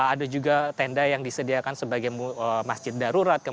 ada juga tenda yang disediakan sebagai masjid darurat